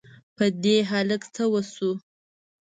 په دې هلک څه وشوو؟!